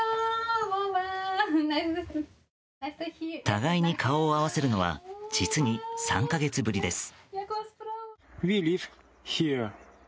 互いに顔を合わせるのは実に３か月ぶりです。